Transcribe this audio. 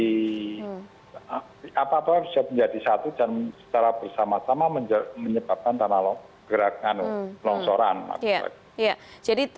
jadi apa apa bisa menjadi satu dan secara bersama sama menyebabkan tanah gerakan longsoran